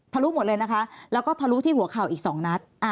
ลุหมดเลยนะคะแล้วก็ทะลุที่หัวเข่าอีก๒นัด